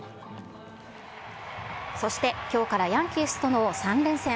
そしてきょうからヤンキースとの３連戦。